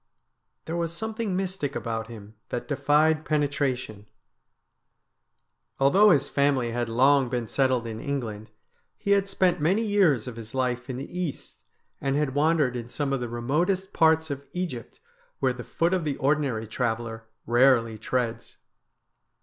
There was something mystic about him that defied penetration. THE BRIDE OF DEATH 95 Although his family had long been settled in England, he had spent many years of his life in the East, and had wandered in some of the remotest parts of Egypt where the foot of the ordinary traveller rarely treads.